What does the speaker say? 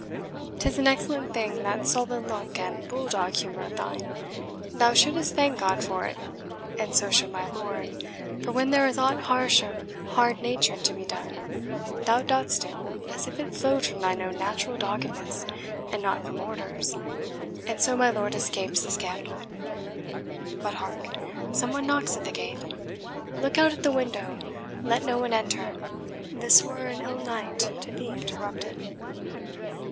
'Tis an excellent thing that sullen look and bull dog humour of thine; thou shouldst thank God for it, and so should my lord, for when there is aught harsh or hard natured to be done, thou dost it as if it flowed from thine own natural doggedness, and not from orders, and so my lord escapes the scandal. But, hark some one knocks at the gate. Look out at the window let no one enter this were an ill night to be interrupted."